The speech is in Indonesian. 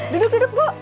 duduk duduk bu